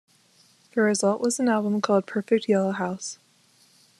The result was an album called "Perfect Yellow House".